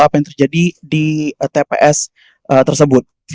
apa yang terjadi di tps tersebut